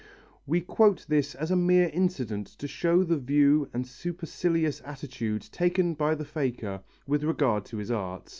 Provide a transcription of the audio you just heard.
We quote this as a mere incident to show the view and supercilious attitude taken by the faker with regard to his art.